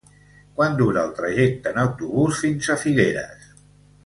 Quant dura el trajecte en autobús fins a Figueres?